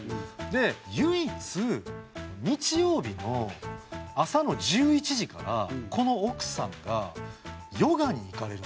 で唯一日曜日の朝の１１時からこの奥さんがヨガに行かれるんですよ。